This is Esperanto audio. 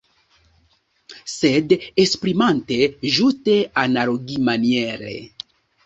Sed esprimante ĝuste analogimaniere.